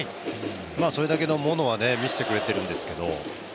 それだけのものは見せてくれているんですけど。